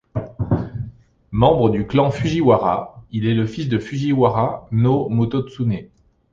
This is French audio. Membre du clan Fujiwara, il est le fils de Fujiwara no Mototsune.